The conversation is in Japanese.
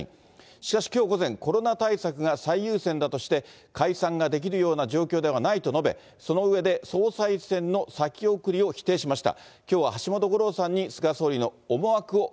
しかしきょう午前、コロナ対策が最優先だとして、解散ができるような状況ではないと述べ、その上で総裁選の先送りを否定しました。